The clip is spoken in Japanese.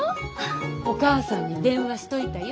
お母さんに電話しといたよ。